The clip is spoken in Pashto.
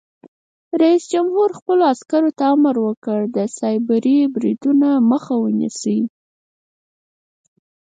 رئیس جمهور خپلو عسکرو ته امر وکړ؛ د سایبري بریدونو مخه ونیسئ!